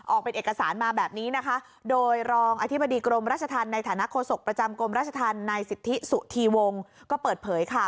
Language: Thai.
ออกเป็นเอกสารมาแบบนี้นะคะโดยรองอธิบดีกรมราชธรรมในฐานะโฆษกประจำกรมราชธรรมนายสิทธิสุธีวงศ์ก็เปิดเผยค่ะ